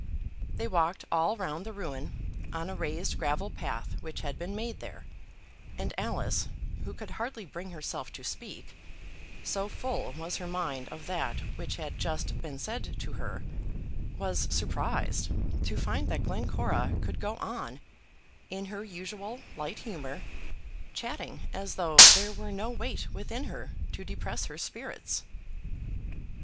They walked all round the ruin, on a raised gravel path which had been made there; and Alice, who could hardly bring herself to speak, so full was her mind of that which had just been said to her, was surprised to find that Glencora could go on, in her usual light humour, chatting as though there were no weight within her to depress her spirits.